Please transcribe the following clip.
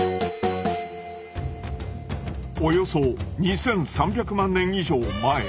およそ２，３００万年以上前。